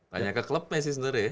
tanya ke klub ya sih sebenarnya